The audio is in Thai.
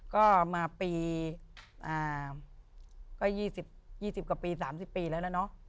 ก็มาปี๘๐กว่าปี๓๐ปีแล้วแล้วเนอะ